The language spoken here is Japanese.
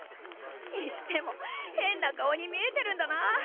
にしても変な顔に見えてるんだな。